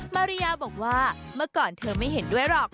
มาริยาบอกว่าเมื่อก่อนเธอไม่เห็นด้วยหรอก